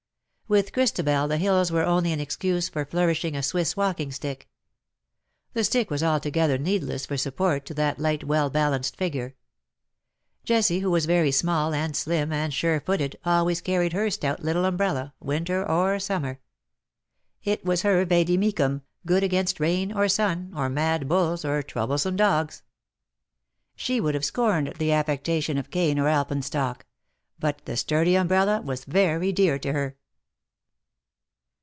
With Christabel the hills were only an excuse for flourishing a Swiss walking stick. The stick was altogether needless for support to that light well balanced figure. Jessie, who was very small and slim and sure footed, always carried her stout little umbrella, winter or summer. It was her vade mecum — good against rain, or sun, or mad bulls, or troublesome dogs. She would have scorned the affectation of cane or alpenstock : but the sturdy umbrella was very dear to her.